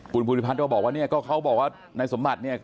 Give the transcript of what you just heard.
คุณภูมิพันธ์ก็บอกว่าเขาบอกว่าในสมบัตินี่